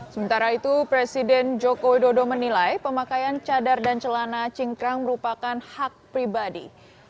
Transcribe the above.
sementara itu presiden joko widodo menilai pemakaian cadar dan celana cingkrang merupakan hak pribadi